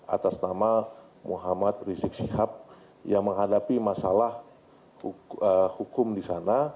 atas nama muhammad rizik syihab yang menghadapi masalah hukum di sana